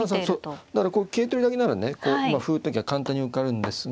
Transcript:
だから桂取りだけならね歩打っときゃ簡単に受かるんですが。